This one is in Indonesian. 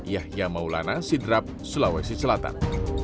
yahya maulana sidrap sulawesi selatan